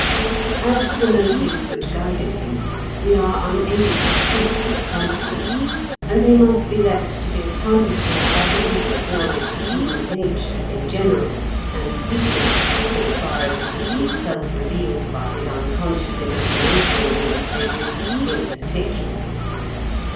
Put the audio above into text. As to the motives which guided him, we are 191 unable to speak with confidence, and they must be left to be accounted for by the reader's knowledge of human nature in general, and Peter's, so far as it has been self revealed by his unconscious imagination in these pages, in particular.